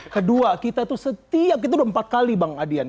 kedua kita itu setiap itu udah empat kali bang adian